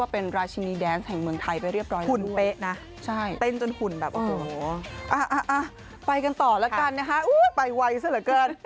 ไปกันต่อแล้วกัน